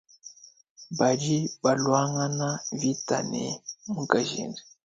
Badi baluangana mvita ne mukajende.